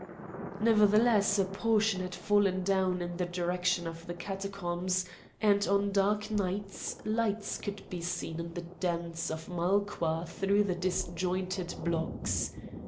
Nevertheless a portion had fallen down in the direction of the Catacombs, and on dark nights lights could be seen in the dens of Malqua through the disjointed blocks.